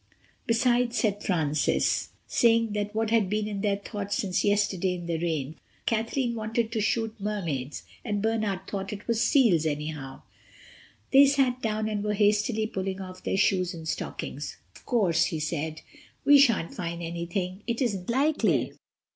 "Besides," said Francis, saying what had been in their thoughts since yesterday in the train, "Kathleen wanted to shoot Mermaids, and Bernard thought it was seals, anyhow." They had sat down and were hastily pulling off their shoes and stockings. "Of course," said he, "we shan't find anything. It isn't likely."